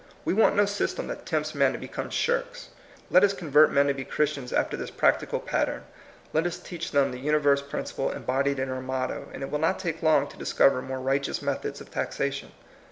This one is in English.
We want no system that tempts men to become shirks. Let us convert men to be Christians after this practical pattern, let us teach them the universe principle embodied in our motto, and it will not take long to discover more right eous methods of taxation.